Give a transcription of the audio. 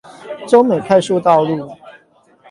洲美快速道路